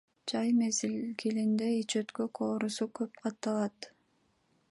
Жай мезгилинде ич өткөк оорусу көп катталат.